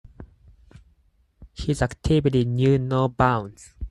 His activity knew no bounds.